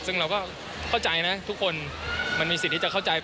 ซึ่งเราก็เข้าใจนะทุกคนมันมีสิทธิ์ที่จะเข้าใจ